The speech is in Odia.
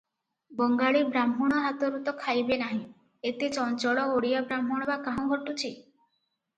ବଙ୍ଗାଳୀ ବାହ୍ମୁଣ ହାତରୁ ତ ଖାଇବେ ନାହିଁ, ଏତେ ଚଞ୍ଚଳ ଓଡିଆ ବ୍ରାହ୍ମଣ ବା କାହୁଁ ଘଟୁଛି?